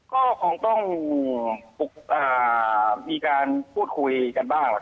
มักต้องปรูกจับมีการพูดคุยกันบ้าง